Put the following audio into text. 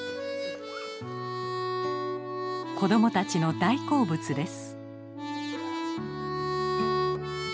子どもたちの大好物です。